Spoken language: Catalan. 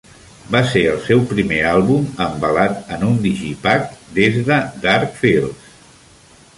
Va ser el seu primer àlbum embalat en un digipak des de Dark Fields.